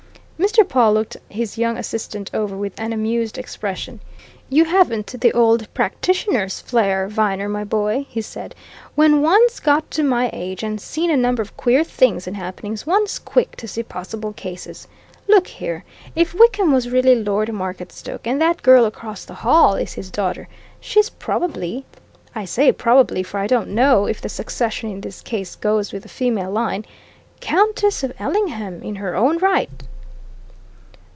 Mr. Pawle looked his young assistant over with an amused expression. "You haven't the old practitioner's flair, Viner, my boy!" he said. "When one's got to my age, and seen a number of queer things and happenings, one's quick to see possible cases. Look here! if Wickham was really Lord Marketstoke, and that girl across the hall is his daughter, she's probably I say probably, for I don't know if the succession in this case goes with the female line Countess of Ellingham, in her own right!"